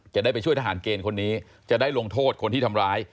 จะได้ไปช่วยทหารเกณฑ์คนนี้จะได้ลงโทษคนที่ทำร้าย